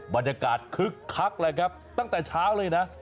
บรรยากาศคึกคักเลยครับตั้งแต่เช้าเลยนะ